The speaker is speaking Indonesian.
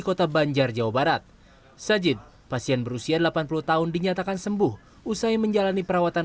kota banjar jawa barat sajid pasien berusia delapan puluh tahun dinyatakan sembuh usai menjalani perawatan